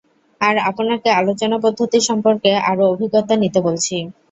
আর আপনাকে আলোচনা-পদ্ধতি সম্পর্কে আরও অভিজ্ঞতা নিতে বলছি।